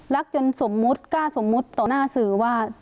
จนสมมุติกล้าสมมุติต่อหน้าสื่อว่า